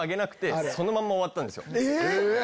えっ！